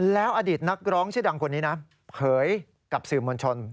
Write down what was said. แล้วอดีตนักร้องชื่อดังคนนี้นะเผยกับสื่อมวลชน